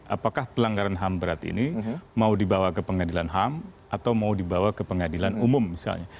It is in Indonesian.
apakah pelanggaran ham berat ini mau dibawa ke pengadilan ham atau mau dibawa ke pengadilan umum misalnya